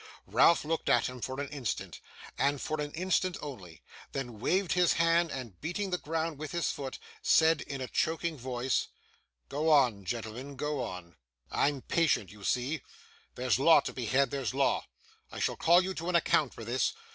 Ralph looked at him for an instant, and for an instant only; then, waved his hand, and beating the ground with his foot, said in a choking voice: 'Go on, gentlemen, go on! I'm patient, you see. There's law to be had, there's law. I shall call you to an account for this.